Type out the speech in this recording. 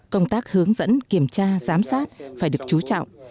công tác hướng dẫn kiểm tra giám sát phải được chú trọng